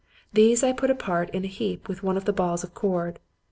These I put apart in a heap with one of the balls of cord.